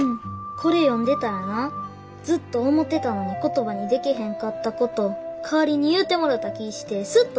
これ読んでたらなずっと思てたのに言葉にでけへんかったこと代わりに言うてもろた気ぃしてスッとすんねん。